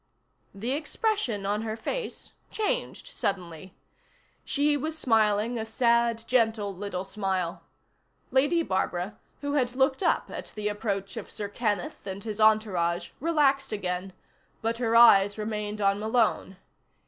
_ The expression on her face changed suddenly. She was smiling a sad, gentle little smile. Lady Barbara, who had looked up at the approach of Sir Kenneth and his entourage, relaxed again, but her eyes remained on Malone.